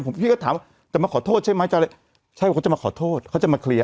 ผมพี่ก็ถามว่าจะมาขอโทษใช่ไหมใช่ว่าเขาจะมาขอโทษเขาจะมาเคลียร์